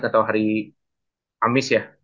gak tau hari kamis ya